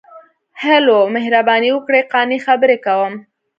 ـ هلو، مهرباني وکړئ، قانع خبرې کوم.